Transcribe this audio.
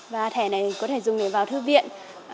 và thẻ này có thể dùng để vào thư viện